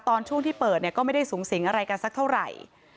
ช่วงที่เปิดเนี่ยก็ไม่ได้สูงสิงอะไรกันสักเท่าไหร่